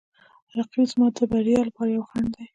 رقیب زما د بریا لپاره یو خنډ دی